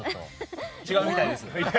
違うみたいです。